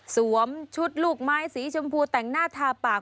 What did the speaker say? สวมชุดลูกไม้สีชมพูแต่งหน้าทาปาก